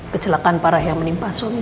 kecelakaan parah yang menimbulkan dia kejadian